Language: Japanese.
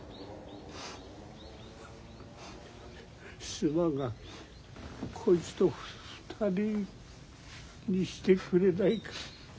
すまんがこいつと２人にしてくれないか。